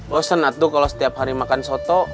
lo senat tuh kalau setiap hari makan soto